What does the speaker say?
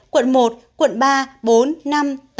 quận một quận ba bốn năm tám